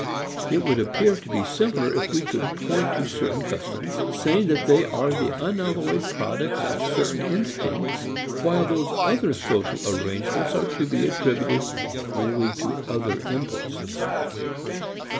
It would appear to be simpler if we could point to certain customs, saying that they are the unalloyed products of certain instincts, while those other social arrangements are to be attributed wholly to other impulses.